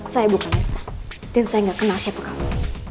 saya buka nessa dan saya gak kenal siapa kamu